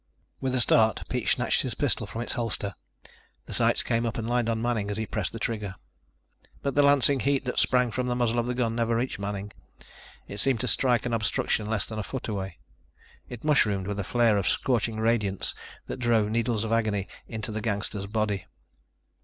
With a start, Pete snatched his pistol from its holster. The sights came up and lined on Manning as he pressed the trigger. But the lancing heat that sprang from the muzzle of the gun never reached Manning. It seemed to strike an obstruction less than a foot away. It mushroomed with a flare of scorching radiance that drove needles of agony into the gangster's body.